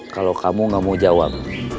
kalau kamu gak mau jawab